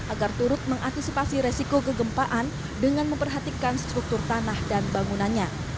agar turut mengantisipasi resiko kegempaan dengan memperhatikan struktur tanah dan bangunannya